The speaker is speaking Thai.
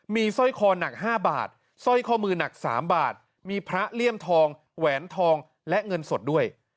มีสร้อยคอหนัก๕บาทสร้อยข้อมือหนัก๓บาทมีพระเลี่ยมทองแหวนทองและเงินสดด้วย